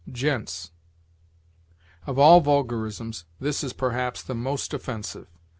GENTS. Of all vulgarisms, this is, perhaps, the most offensive.